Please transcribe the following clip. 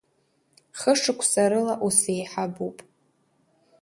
Хышықәса рыла усеиҳабуп.